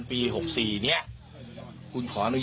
ถ้าเป็นที่สุดแล้วแค่คุณอาชญาแผนการไว้แจ้งความสินทรีย์